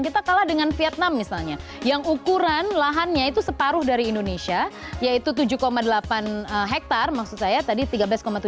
kita kalah dengan vietnam misalnya yang ukuran lahannya itu separuh dari indonesia yaitu tujuh delapan hektare maksud saya tadi tiga belas tujuh